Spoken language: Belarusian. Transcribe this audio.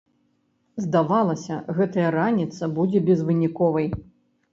Здавалася, гэтая раніца будзе безвыніковай.